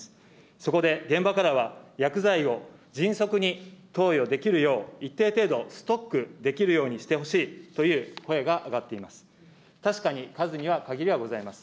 そこで、現場からは、薬剤を迅速に投与できるよう、一定程度、ストックできるようにしてほしいという声が上がっています。